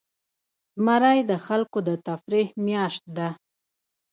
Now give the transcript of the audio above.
زمری د خلکو د تفریح میاشت ده.